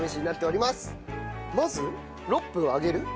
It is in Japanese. まず６分揚げる。